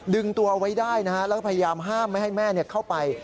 ดึงตัวเอาไว้ได้นะฮะแล้วก็พยายามห้ามไม่ให้แม่เข้าไป